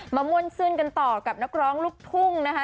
ม่วนซื่นกันต่อกับนักร้องลูกทุ่งนะคะ